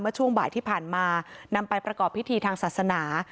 ช่วงบ่ายที่ผ่านมานำไปประกอบพิธีทางศาสนา